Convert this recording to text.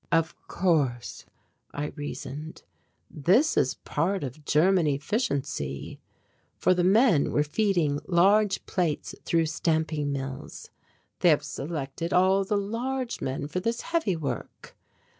"Of course," I reasoned, "this is part of German efficiency"; for the men were feeding large plates through stamping mills "they have selected all the large men for this heavy work."